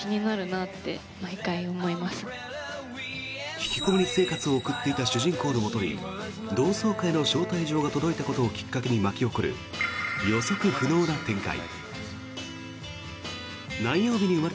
引きこもり生活を送っていた主人公のもとに同窓会の招待状が届いたことをきっかけに巻き起こる予測不能な展開。